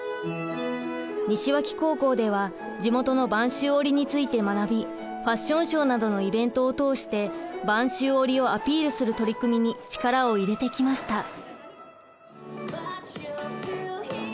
西脇高校では地元の播州織について学びファッションショーなどのイベントを通して播州織をアピールする取り組みに力を入れてきました。